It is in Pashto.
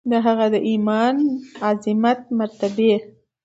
د هغه د ایمان، عظمت، مرتبې